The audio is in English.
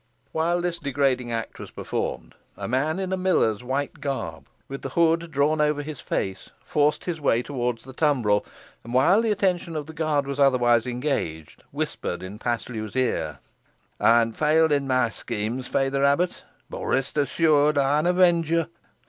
While this degrading act was performed, a man in a miller's white garb, with the hood drawn over his face, forced his way towards the tumbrel, and while the attention of the guard was otherwise engaged, whispered in Paslew's ear, "Ey han failed i' mey scheme, feyther abbut, boh rest assured ey'n avenge you.